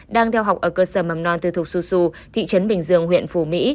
đang theo học ở cơ sở mầm non từ thuộc xu xu thị trấn bình dương huyện phù mỹ